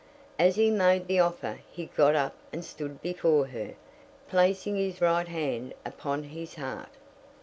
As he made the offer he got up and stood before her, placing his right hand upon his heart.